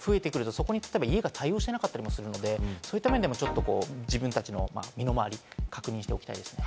そこに家が対応してなかったりするので、そういった面でも自分たちの身の回り確認しておきたいですね。